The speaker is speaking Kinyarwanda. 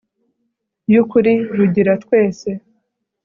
y'ukuri, rugira twese